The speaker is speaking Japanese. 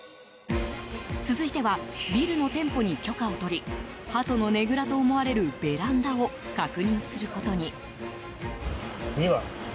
続いてはビルの店舗に許可を取りハトのねぐらと思われるベランダを確認することに。